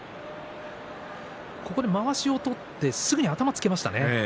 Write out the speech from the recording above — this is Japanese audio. まわしを取ってすぐに頭をつけましたね。